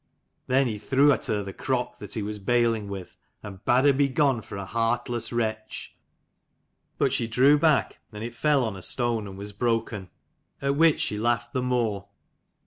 Then he threw at her the crock that he was baling with, and bad her begone for a heartless wretch. But she drew back, and it fell on a stone and was broken : at which she laughed the more.